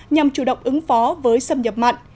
nhằm chủ động ứng phó với xâm nhập mặn